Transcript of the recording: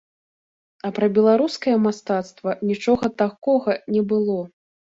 А пра беларускае мастацтва нічога такога не было.